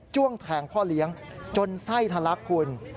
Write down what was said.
้วงแทงพ่อเลี้ยงจนไส้ทะลักคุณ